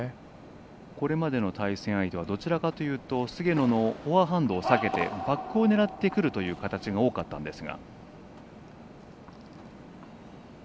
これまでの対戦相手はどちらかというと菅野のフォアハンドを避けてバックを狙ってくるという形が多かったんですが。